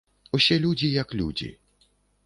Усе людзі як людзі.